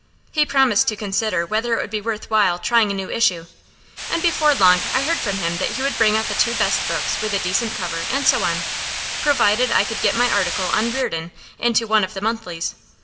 He promised to consider whether it would be worth while trying a new issue, and before long I heard from him that he would bring out the two best books with a decent cover and so on, provided I could get my article on Reardon into one of the monthlies.